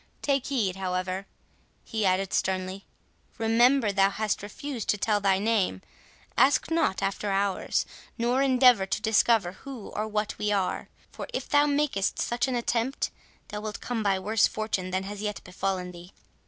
Take heed, however," he added sternly; "remember thou hast refused to tell thy name—ask not after ours, nor endeavour to discover who or what we are; for, if thou makest such an attempt, thou wilt come by worse fortune than has yet befallen thee."